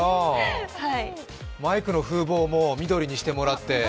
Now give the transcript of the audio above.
マイクの風防も緑にしてもらって。